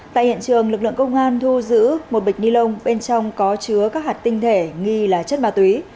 tại hiện trường lực lượng công an thu giữ một bịch ni lông bên trong có chứa các hạt tinh thể nghi là chất ma túy